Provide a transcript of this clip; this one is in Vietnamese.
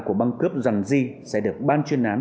của băng cướp rằng di sẽ được ban chuyên án